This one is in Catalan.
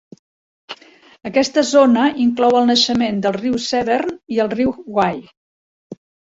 Aquesta zona inclou el naixement del Riu Severn i el Riu Wye.